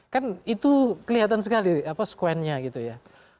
kan itu kelihatan sekali squennya gitu ya